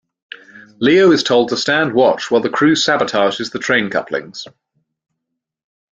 Leo is told to stand watch while the crew sabotages the train couplings.